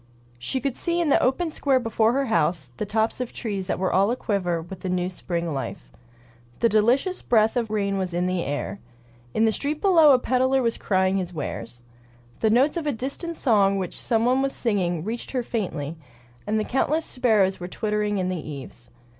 She could see in the open square before her house the tops of trees that were all aquiver with the new spring life. The delicious breath of rain was in the air. In the street below a peddler was crying his wares. The notes of a distant song which some one was singing reached her faintly, and countless sparrows were twittering in the eaves.